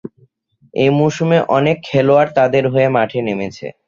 এই মৌসুমে অনেক খেলোয়াড় তাদের হয়ে মাঠে নেমেছে।